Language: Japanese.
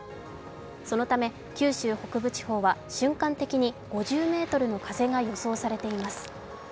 そのため、九州北部地方は瞬間的に５０メートルの風が予想されています。